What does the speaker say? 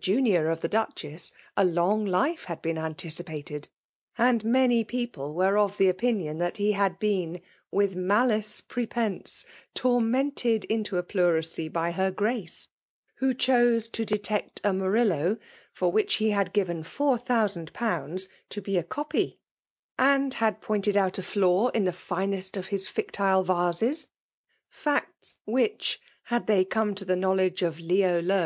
janior of the Dachess, a long life had been anticipated ; and many people were of opiaioa that he had been, with malice prepenBo, tor mented into a pleurisy by her 6race> who chose to detect a Murillo, for which he had giren four thousand pounds^ to be a copy ; and had pointed out a flaw in the finest of his fictile vases: — facta which, had they come to th knowledge of Leo. Lo.